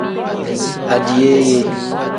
Adiyeeye.